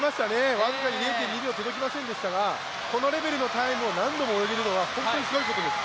僅かに０．２秒届きませんでしたがこのレベルのタイムを何度も泳げるのは本当にすごいことです。